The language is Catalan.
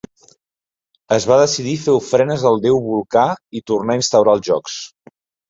Es va decidir fer ofrenes al déu Vulcà i tornar a instaurar els jocs.